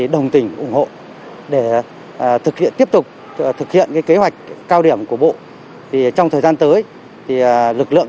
đồng tỉnh ủng hộ để tiếp tục thực hiện kế hoạch cao điểm của bộ trong thời gian tới lực lượng